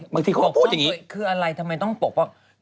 บอกปกป้องตัวเองคืออะไรทำไมต้องปกป้อง